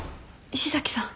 石崎さん。